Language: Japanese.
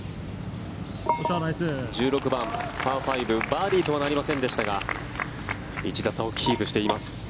１６番、パー５バーディーとはなりませんでしたが１打差をキープしています。